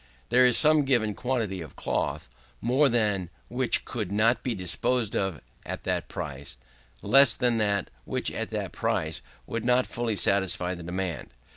There is some given quantity of cloth, more than which could not be disposed of at that price, less than which, at that price, would not fully satisfy the demand.